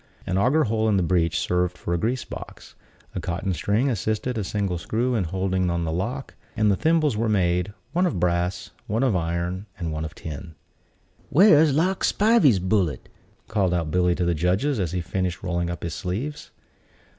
An auger hole in the breech served for a grease box; a cotton string assisted a single screw in holding on the lock; and the thimbles were made, one of brass, one of iron, and one of tin. "Where's Lark Spivey's bullet?" called out Billy to the judges, as he finished rolling up his sleeves.